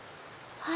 はい！